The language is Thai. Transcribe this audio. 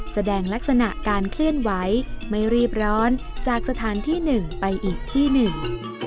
แสดงลักษณะการเคลื่อนไหวไม่รีบร้อนจากสถานที่หนึ่งไปอีกที่หนึ่ง